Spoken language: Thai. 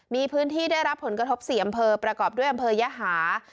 มีพื้นที่ได้รับผลกระทบ๔อำเภอประกอบด้วยอำเภอยหา